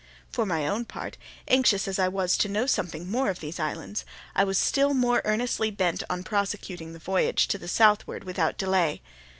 For my own part, anxious as I was to know something more of these islands, I was still more earnestly bent on prosecuting the voyage to the southward without delay.